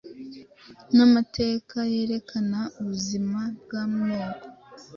Namateka yerekana ubuzima bwamoko